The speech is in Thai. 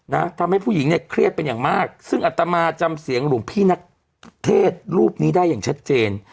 นะทำให้ผู้หญิงเนี่ยเครียดเป็นอย่างมากซึ่งอัตมาจำเสียงหลวงพี่นักเทศรูปนี้ได้อย่างชัดเจน